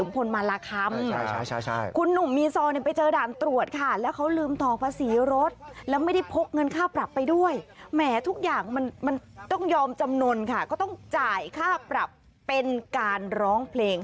ผ่านถ่ายค่าปราบเป็ลการร้องเพลง